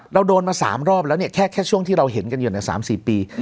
โดนมา๓รอบแล้วเนี่ยแค่ช่วงที่เราเห็นกันอยู่ใน๓๔ปี